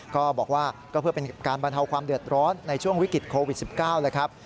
ก็บอกว่าก็เพื่อเป็นการบรรเทาความเดือดร้อนในช่วงวิกฤตโควิด๑๙แล้วครับ